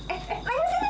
eh eh neng di sini neng